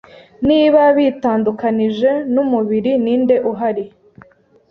Niba bitandukanije numubiri ninde uhari